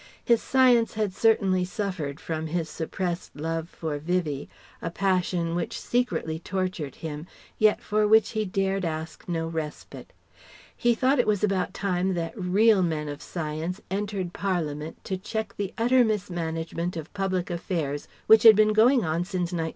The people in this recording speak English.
His Science had certainly suffered from his suppressed love for Vivie, a passion which secretly tortured him, yet for which he dared ask no respite. He thought it was about time that real men of Science entered Parliament to check the utter mismanagement of public affairs which had been going on since 1900.